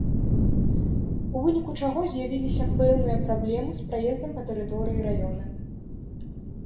У выніку чаго з'явіліся пэўныя праблемы з праездам па тэрыторыі раёна.